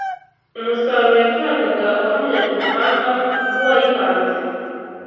umusaruro yatangaga wahamyaga ubuhanga bw’Uwayihanze